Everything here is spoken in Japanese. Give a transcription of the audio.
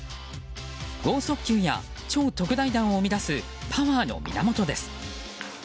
豪速球や超特大弾を生み出すパワーの源です。